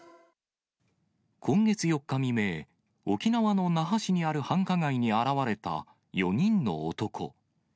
今月４日未明、沖縄の那覇市にある繁華街に現れた４人の男。